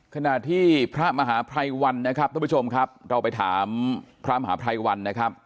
ขณะที่พระมหาภัยวันนั้นครับเราไปถามพระมหาภัยวันนะครับ